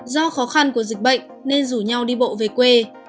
do khó khăn của dịch bệnh nên rủ nhau đi bộ về quê